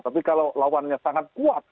tapi kalau lawannya sangat kuat